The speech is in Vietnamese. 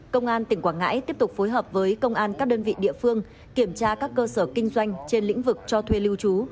công an tỉnh quảng ngãi tiếp tục phối hợp với công an các đơn vị địa phương kiểm tra các cơ sở kinh doanh trên lĩnh vực cho thuê lưu trú